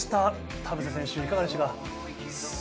田臥選手いかがでしたか？